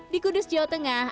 di kudus jawa tengah